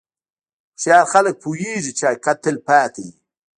هوښیار خلک پوهېږي چې حقیقت تل پاتې وي.